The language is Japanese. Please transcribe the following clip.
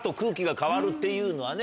っていうのはね